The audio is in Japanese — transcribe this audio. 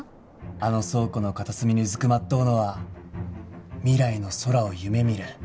あの倉庫の片隅にうずくまっとうのは未来の空を夢みる翼とよ。